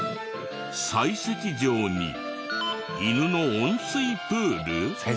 砕石場に犬の温水プール？